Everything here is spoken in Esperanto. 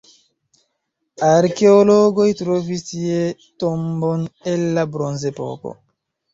Arkeologoj trovis tie tombon el la bronzepoko.